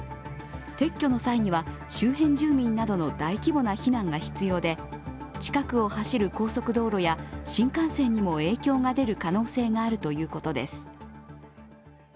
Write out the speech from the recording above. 撤去の際には周辺などの大規模な避難が必要で近くを走る高速道路や新幹線にも影響が出る可能性があるということです。